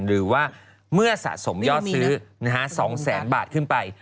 หรือว่าเมื่อสะสมยอดซื้อ๒แสนบาทขึ้นไป